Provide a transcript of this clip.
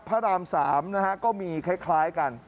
พระราม๓ก็มีคล้ายกัน